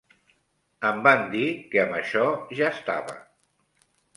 Em van dir que amb això ja estava.